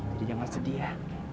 jadi jangan sedih ya